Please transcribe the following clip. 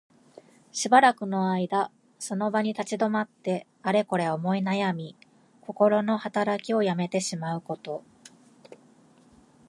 しばらくの間その場に立ち止まって、あれこれ思いなやみ、こころのはたらきをやめてしまうこと。